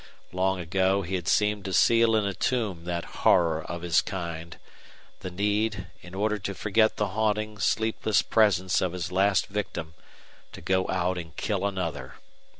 Long ago he had seemed to seal in a tomb that horror of his kind the need, in order to forget the haunting, sleepless presence of his last victim, to go out and kill another.